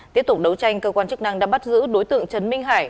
tiếp tục đấu tranh cơ quan chức năng đã bắt giữ đối tượng trần minh hải